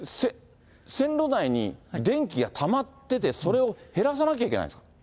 線路内に電気がたまってて、それを減らさなきゃいけないんですね。